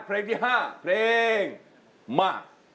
เพลงที่๕เพลงมา